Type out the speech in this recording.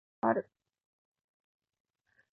ところてんを食べる時と食べない時がある。